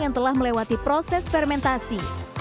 yang telah melewati proses fermentasi